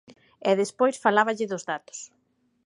E despois faláballe dos datos.